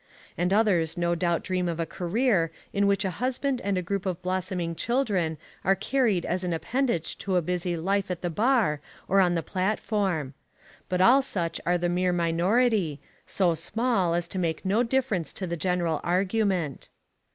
And others no doubt dream of a career in which a husband and a group of blossoming children are carried as an appendage to a busy life at the bar or on the platform. But all such are the mere minority, so small as to make no difference to the general argument.